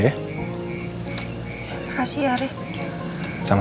makasih ya re